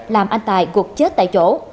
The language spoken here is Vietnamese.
làm anh tài gục chết tại chỗ